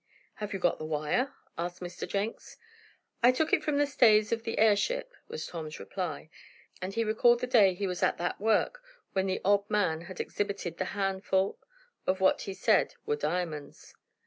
"Have you got the wire?" asked Mr. Jenks. "I took it from the stays of the airship," was Tom's reply, and he recalled the day he was at that work, when the odd man had exhibited the handful of what he said were diamonds.